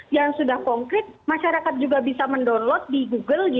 yang sudah konkret masyarakat juga bisa mendownload di google